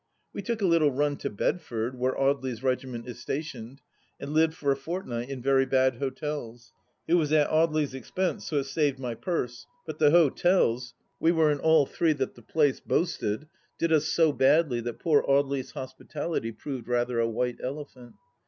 We took a little run to Bedford, where Audely's regiment is stationed, and lived for a fortnight in very bad hotels. It was at Audely's expense, so it saved my purse; but the hotels — ^we were in all three that the place boasted — did us so badly that poor Audely's hospitality proved rather a white elephant.